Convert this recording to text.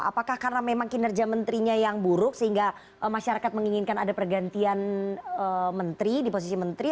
apakah karena memang kinerja menterinya yang buruk sehingga masyarakat menginginkan ada pergantian menteri di posisi menteri